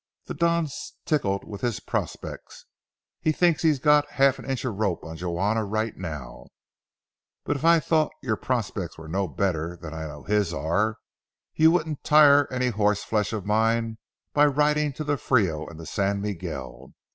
"The Don's tickled with his prospects. He thinks he's got a half inch rope on Juana right now; but if I thought your prospects were no better than I know his are, you wouldn't tire any horse flesh of mine by riding to the Frio and the San Miguel.